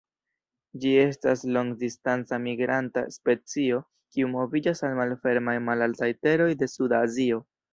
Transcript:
Ĝi estas longdistanca migranta specio kiu moviĝas al malfermaj malaltaj teroj de suda Azio.